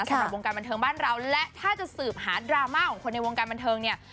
สำหรับวงการบันเทิงบ้านเราและถ้าจะสืบหาดราม่าของคนในวงการบันเทิงเนี่ย